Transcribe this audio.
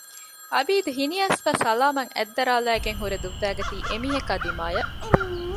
އަބީދު ހިނިއައިސްފައި ސަލާމަށް އަތްދަރާލައިގެން ހުރެ ދުއްވައިގަތީ އެމީހަކާ ދިމާޔަށް